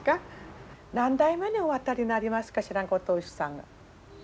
何代目におあたりになりますかしらご当主さんは。